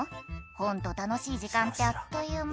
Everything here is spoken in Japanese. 「ホント楽しい時間ってあっという間」